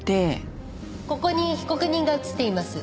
ここに被告人が映っています。